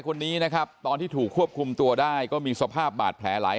คนนี้นะครับตอนที่ถูกควบคุมตัวได้ก็มีสภาพบาดแผลหลาย